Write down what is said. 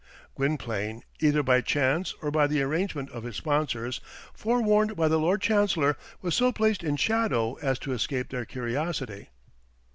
Gwynplaine, either by chance or by the arrangement of his sponsors, forewarned by the Lord Chancellor, was so placed in shadow as to escape their curiosity.